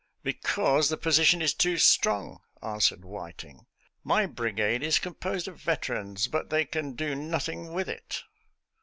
"Because the position is too strong," answered Whiting. " My brigade is composed of veterans, but they can do nothing with it."